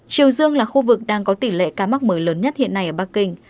triều dương là khu vực đang có tỷ lệ ca mắc mới lớn nhất hiện nay ở bắc kinh